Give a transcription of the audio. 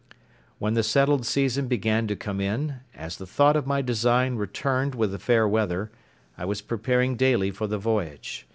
When the settled season began to come in, as the thought of my design returned with the fair weather, I was preparing daily for the voyage.